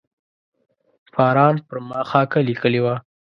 فاران پر ما خاکه لیکلې وه.